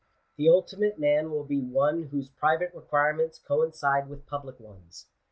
The ultimate man will be one whose private require ments coincide with public ones.